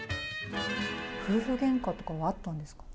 夫婦げんかとかはあったんですか？